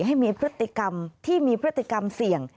ให้มีพฤติกรรมที่มีพฤติกรรมเสี่ยง